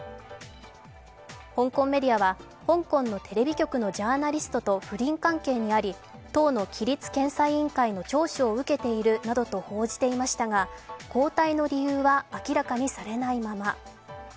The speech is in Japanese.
香港メディアは、香港のテレビ局のジャーナリストと不倫関係にあり党の規律検査委員会の聴取を受けているなどと報じていましたが交代の理由は明らかにされないまま。